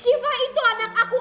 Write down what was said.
shiva itu anak aku